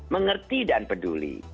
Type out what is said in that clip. mengerti dan peduli